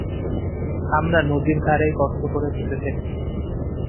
আমরা নদীর ধারেই গর্ত করে পুঁতে ফেলি।